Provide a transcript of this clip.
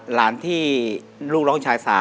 หลานที่ลูกน้องชาย๓